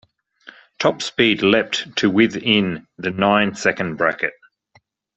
Top speed leapt to with in the nine second bracket.